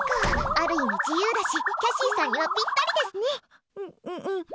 ある意味自由だしキャシーさんにはぴったりですね。